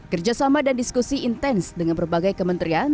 kerjasama dan diskusi intens dengan berbagai kementerian